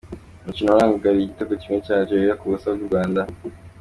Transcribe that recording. Umukino urarangiye igitego kimwe cya Algeria ku busa bw’u Rwanda.